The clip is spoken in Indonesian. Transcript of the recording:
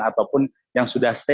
ataupun yang sudah setelah